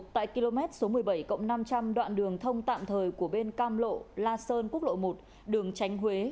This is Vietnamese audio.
tại km số một mươi bảy năm trăm linh đoạn đường thông tạm thời của bên cam lộ la sơn quốc lộ một đường tránh huế